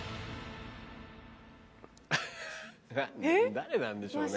アハ誰なんでしょうね？